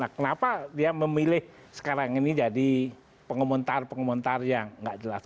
kenapa dia memilih sekarang ini jadi pengementar pengementar yang nggak jelas